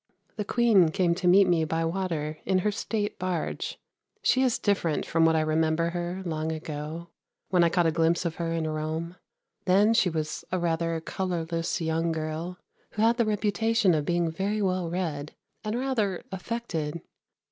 The Queen came to meet me by water in her State barge. She is different from what I remember her long ago, when I caught a glimpse of her in Rome. Then she was rather a colourless young girl, who had the reputation of being very well read, and rather affected.